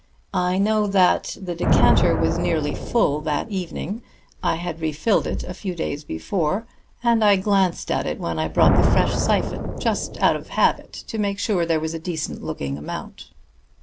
I know that the decanter was nearly full that evening; I had refilled it a few days before, and I glanced at it when I brought the fresh syphon, just out of habit, to make sure there was a decent looking amount."